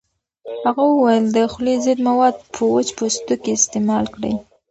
هغه وویل د خولې ضد مواد په وچ پوستکي استعمال کړئ.